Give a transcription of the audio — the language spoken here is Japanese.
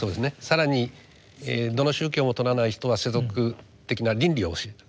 更にどの宗教もとらない人は世俗的な倫理を教える。